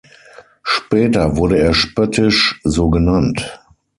Später wurde er spöttisch so genannt.